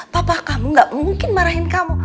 papa kamu gak mungkin marahin kamu